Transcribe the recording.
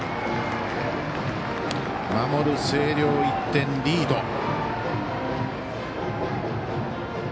守る星稜、１点リード。